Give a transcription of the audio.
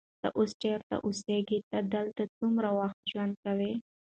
ته اوس چیرته اوسېږې؟ ته دلته څومره وخت ژوند کوې؟